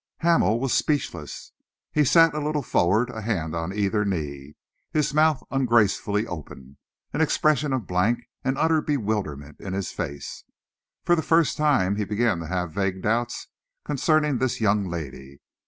Hamel was speechless. He sat a little forward, a hand on either knee, his mouth ungracefully open, an expression of blank and utter bewilderment in his face. For the first time he began to have vague doubts concerning this young lady.